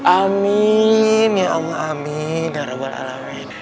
amin ya allah amin